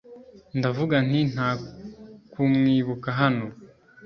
Ndavuga nti Nta kumwibuka hano